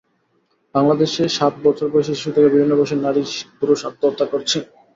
বাংলাদেশে সাত বছর বয়সী শিশু থেকে বিভিন্ন বয়সের নারী-পুরুষ আত্মহত্যা করছেন।